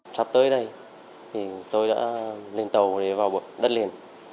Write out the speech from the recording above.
trắp tới đây tôi đã lên tàu để vào đất liền